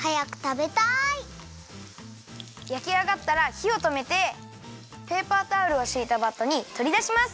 やきあがったらひをとめてペーパータオルをしいたバットにとりだします。